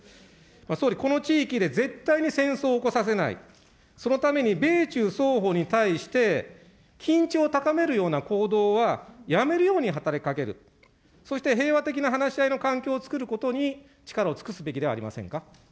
総理、この地域で絶対に戦争を起こさせない、そのために米中双方に対して、緊張を高めるような行動はやめるように働きかける、そして平和的な話し合いの環境を作ることに力を尽くすべきではありませんか。